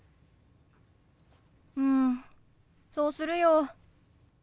うんそうするよ。